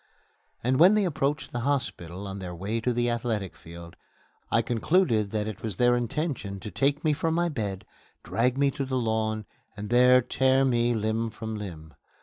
And when they approached the hospital on their way to the Athletic Field, I concluded that it was their intention to take me from my bed, drag me to the lawn, and there tear me limb from limb.